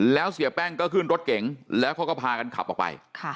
แล้วเสียแป้งก็ขึ้นรถเก๋งแล้วเขาก็พากันขับออกไป